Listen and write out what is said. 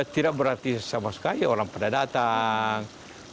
tidak berarti sama sekali orang pada datang